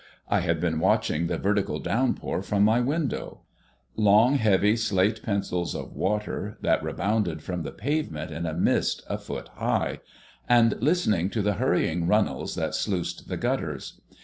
I had been watching the vertical downpour from my window long, heavy slate pencils of water, that rebounded from the pavement in a mist a foot high, and listening to the hurrying runnels that sluiced the gutters.